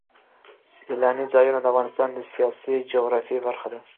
سیلانی ځایونه د افغانستان د سیاسي جغرافیه برخه ده.